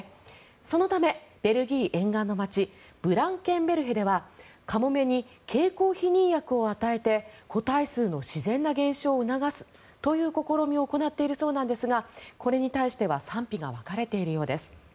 そのため、ベルギー沿岸の街ブランケンベルへではカモメに経口避妊薬を与えて個体数の自然な減少を促すという試みを行っているそうなんですがこれに対しては賛否が分かれているそうです。